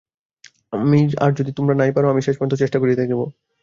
আর যদি তোমরা নাই পার, আমি শেষ পর্যন্ত চেষ্টা করিয়া দেখিব।